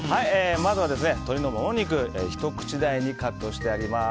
まずは鶏のモモ肉をひと口大にカットしてあります。